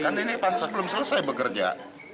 kan ini pansus belum selesai bekerja